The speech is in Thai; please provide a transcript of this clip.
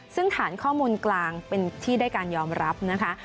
ซึ่งฐานข้อมูลกลางเป็นที่ได้การยอมรับนะคะ